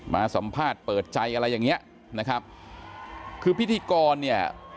มาสัมภาษณ์เปิดใจอะไรอย่างเงี้ยนะครับคือพิธีกรเนี่ย